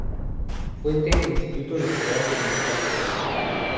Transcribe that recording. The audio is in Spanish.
Fuente: Instituto Electoral del Estado de Jalisco